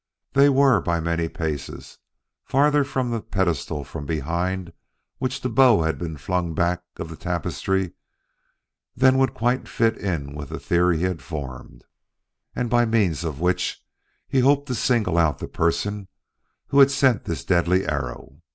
They were by many paces farther from the pedestal from behind which the bow had been flung back of the tapestry than would quite fit in with the theory he had formed, and by means of which he hoped to single out the person who had sent the deadly arrow.